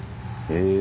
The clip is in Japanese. へえ。